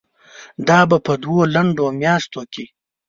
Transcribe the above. دا به په دوو لنډو میاشتو کې